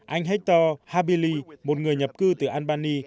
anh hector habili một người nhập cư từ albany